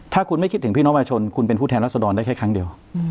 ถ้าคุณไม่คิดถึงพี่น้องประชาชนคุณเป็นผู้แทนรัศดรได้แค่ครั้งเดียว